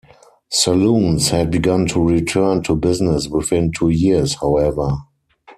Saloons had begun to return to business within two years, however.